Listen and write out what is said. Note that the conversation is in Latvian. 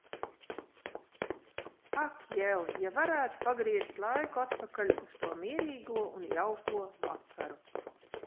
Ak jel, ja varētu pagriezt laiku atpakaļ uz to mierīgo un jauko vakaru.